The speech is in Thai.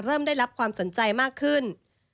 เริ่มได้รับความสนใจมากขึ้น